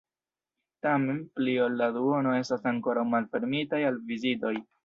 Tamen, pli ol la duono estas ankoraŭ malfermitaj al vizitoj.